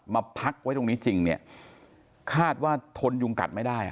มาพักไว้ตรงนี้จริงเนี่ยคาดว่าทนยุงกัดไม่ได้